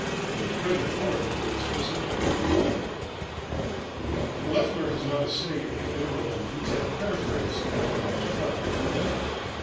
In its present form it dates from September, 1900. Loeffler has not essayed a literal and detailed paraphrase of Maeterlinck's play.